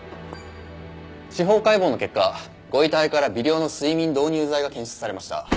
司法解剖の結果ご遺体から微量の睡眠導入剤が検出されました。